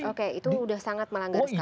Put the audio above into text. oke itu sudah sangat melanggar sekali